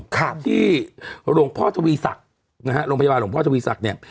ก็ตรงพทวีศักดิ์โรงพยาบาลโรงพทวีศักดิ์เนี่ย